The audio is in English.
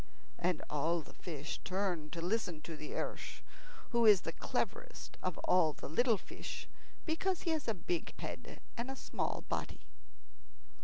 And all the fish turned to listen to the ersh, who is the cleverest of all the little fish, because he has a big head and a small body.